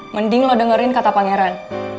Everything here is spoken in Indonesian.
mending lo dengerin kata pangeran